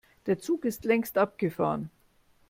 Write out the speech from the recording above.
Der Zug ist längst abgefahren.